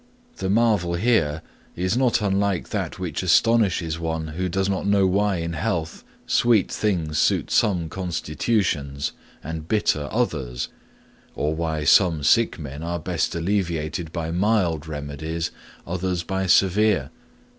The marvel here is not unlike that which astonishes one who does not know why in health sweet things suit some constitutions, and bitter others, or why some sick men are best alleviated by mild remedies, others by severe.